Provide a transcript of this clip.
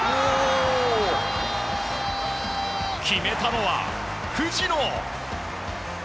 決めたのは、藤野！